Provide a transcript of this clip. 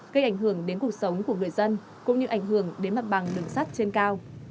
gây ảnh hưởng đến cuộc sống của người dân cũng như ảnh hưởng đến mặt bằng đường sắt trên cao